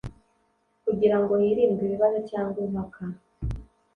kugira ngo hirindwe ibibazo cyangwa impaka